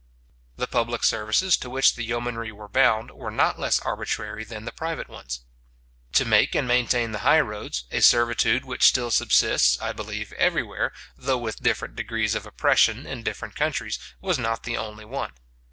The public services to which the yeomanry were bound, were not less arbitrary than the private ones. To make and maintain the high roads, a servitude which still subsists, I believe, everywhere, though with different degrees of oppression in different countries, was not the only one.